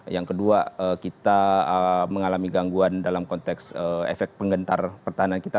yang kedua kita mengalami gangguan dalam konteks efek penggentar pertahanan kita